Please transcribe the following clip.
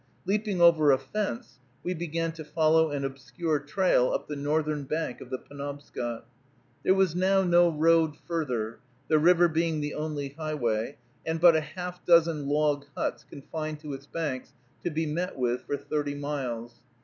Leaping over a fence, we began to follow an obscure trail up the northern bank of the Penobscot. There was now no road further, the river being the only highway, and but half a dozen log huts, confined to its banks, to be met with for thirty miles.